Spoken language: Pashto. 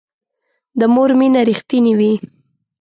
د مور مینه رښتینې وي